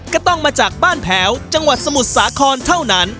ก็ต้องมาจากบ้านแผลวจังหวัดสมุทรสาครเท่านั้น